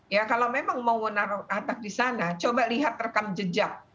ya kalau memang mau menaruh atak di sana coba lihat rekam jejak